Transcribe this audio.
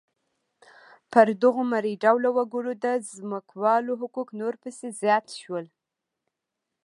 پر دغو مري ډوله وګړو د ځمکوالو حقوق نور پسې زیات شول.